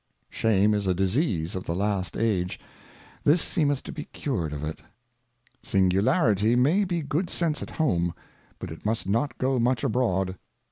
Shame is a Disease of the last Age, this seemeth to be cured of it. Singula SINGULARITY maybe good Sense at home, but it must *■ not go much abroad.